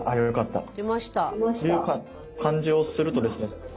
という感じをするとですね